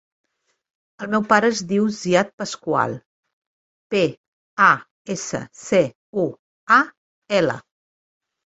El meu pare es diu Ziad Pascual: pe, a, essa, ce, u, a, ela.